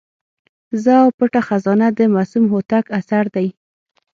زه او پټه خزانه د معصوم هوتک اثر دی.